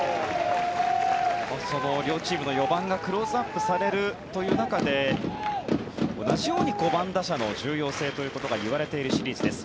両チームの４番がクローズアップされる中で同じように５番打者の重要性が言われている日本シリーズです。